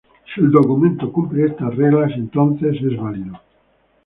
Si el documento cumple estas reglas, entonces es válido.